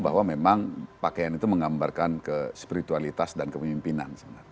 bahwa memang pakaian itu menggambarkan ke spiritualitas dan kemimpinan